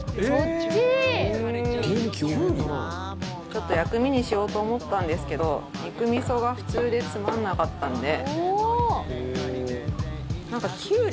ちょっと薬味にしようと思ったんですけど肉味噌が普通でつまらなかったので。